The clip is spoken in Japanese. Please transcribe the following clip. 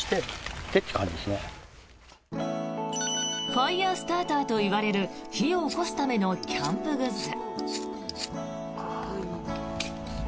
ファイアスターターといわれる火をおこすためのキャンプグッズ。